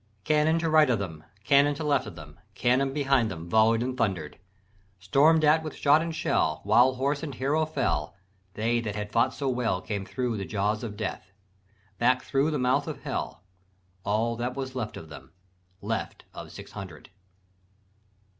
"Cannon to right of them, Cannon to left of them, Cannon behind them Volley'd and thunder'd; Storm'd at with shot and shell, While horse and hero fell, They that had fought so well Came thro' the jaws of Death, Back thro' the mouth of Hell, All that was left of them, Left of six hundred.